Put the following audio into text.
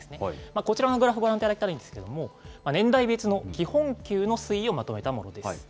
こちらのグラフご覧いただきたいんですけれども、年代別の基本給の推移をまとめたものです。